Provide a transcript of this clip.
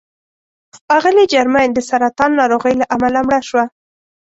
اغلې جرمین د سرطان ناروغۍ له امله مړه شوه.